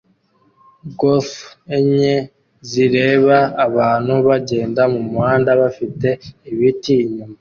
goth enye zireba abantu bagenda mumuhanda bafite ibiti inyuma